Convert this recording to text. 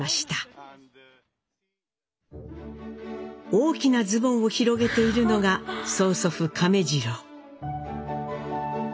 大きなズボンを広げているのが曽祖父亀治郎。